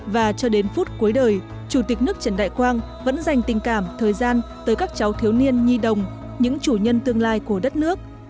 và cho đến phút cuối đời chủ tịch nước trần đại quang vẫn dành tình cảm thời gian tới các cháu thiếu niên nhi đồng những chủ nhân tương lai của đất nước